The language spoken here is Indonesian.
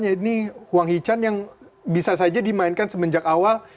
yang ini hwang hee chan yang bisa saja dimainkan semenjak awal